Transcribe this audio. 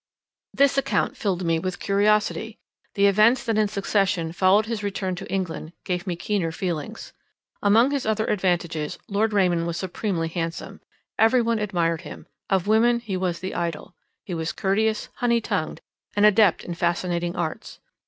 This account filled me with curiosity. The events that in succession followed his return to England, gave me keener feelings. Among his other advantages, Lord Raymond was supremely handsome; every one admired him; of women he was the idol. He was courteous, honey tongued—an adept in fascinating arts.